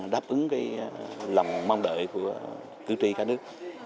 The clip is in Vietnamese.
đáp ứng lòng mong đợi của cử tri cả nước